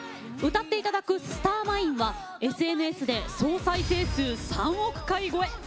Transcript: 歌っていただく「スターマイン」はＳＮＳで総再生数３億回超え。